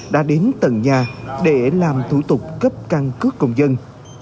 đã đến tầng nhà để làm thủ tục cấp căn cước công dân